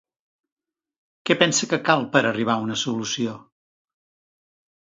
Què pensa que cal per arribar a una solució?